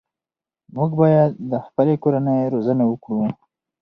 موږ باید د خپلې کورنۍ روزنه وکړو.